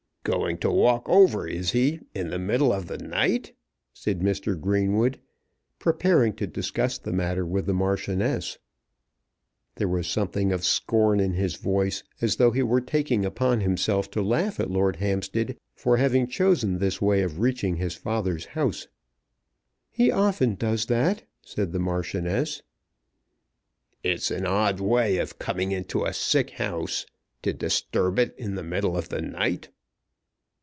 "Going to walk over, is he, in the middle of the night?" said Mr. Greenwood, preparing to discuss the matter with the Marchioness. There was something of scorn in his voice, as though he were taking upon himself to laugh at Lord Hampstead for having chosen this way of reaching his father's house. "He often does that," said the Marchioness. "It's an odd way of coming into a sick house, to disturb it in the middle of the night."